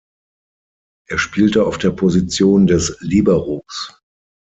Er spielte auf der Position des Liberos.